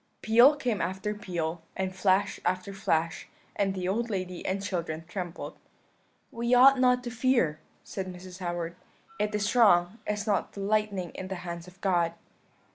"Peal came after peal, and flash after flash; and the old lady and children trembled. "'We ought not to fear,' said Mrs. Howard; 'it is wrong; is not the lightning in the hands of God?'